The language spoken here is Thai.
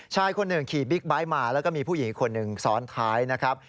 ชายคนหนึ่งขี่บิ๊กไบท์มาแล้วก็มีผู้หญิงอีกคนหนึ่งซ้อนท้ายนะครับ